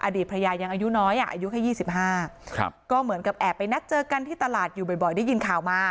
ภรรยายังอายุน้อยอายุแค่๒๕ก็เหมือนกับแอบไปนัดเจอกันที่ตลาดอยู่บ่อยได้ยินข่าวมา